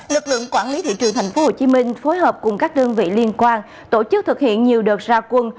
lực lượng quản lý thị trường tp hcm phối hợp cùng các đơn vị liên quan tổ chức thực hiện nhiều đợt ra quân